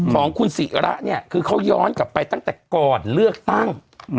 ของคุณศิระเนี่ยคือเขาย้อนกลับไปตั้งแต่ก่อนเลือกตั้ง